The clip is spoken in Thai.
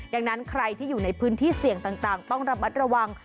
ดังนั้นใครที่อยู่ในพื้นที่เสี่ยงต่างต้องระมัดระวัง